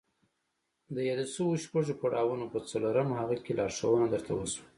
د يادو شويو شپږو پړاوونو په څلورم هغه کې لارښوونه درته وشوه.